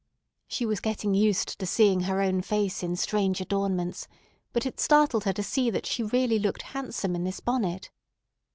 She was getting used to seeing her own face in strange adornments, but it startled her to see that she really looked handsome in this bonnet.